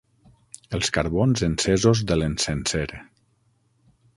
Els carbons encesos de l'encenser.